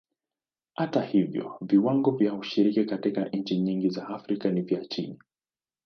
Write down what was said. Hata hivyo, viwango vya ushiriki katika nchi nyingi za Afrika ni vya chini.